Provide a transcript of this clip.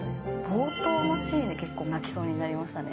冒頭のシーンで結構、泣きそうになりましたね。